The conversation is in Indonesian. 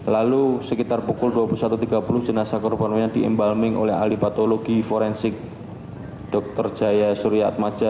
lalu sekitar pukul dua puluh satu tiga puluh jenazah korban diembalming oleh ahli patologi forensik dr jaya surya atmaja